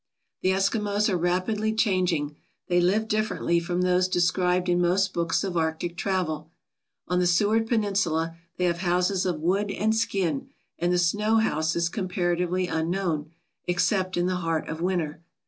The Eskimos are rapidly changing. They live differ ently from those described in most books of Arctic travel. On the Seward Peninsula they have houses of wood and skin and the snow house is comparatively unknown, ex cept in the heart of winter.